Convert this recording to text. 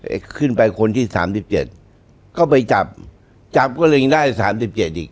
เอ๊ะขึ้นไปคนที่๓๗ก็ไปจับจับก็เรียกได้๓๗อีก